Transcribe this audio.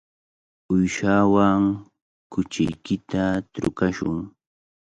Uyshaawan kuchiykita trukashun.